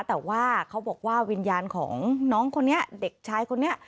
แต่ว่าเขาบอกว่าวิญญาณของน้องคนนี้เด็กชายคนนี้